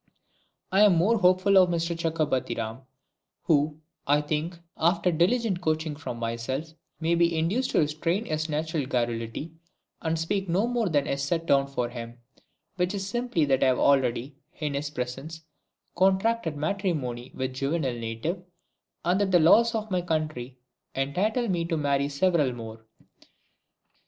I am more hopeful of Mr CHUCKERBUTTY RAM, who, I think, after diligent coaching from myself, may be induced to restrain his natural garrulity, and speak no more than is set down for him, which is simply that I have already, in his presence, contracted matrimony with a juvenile native, and that the laws of my country entitle me to marry several more.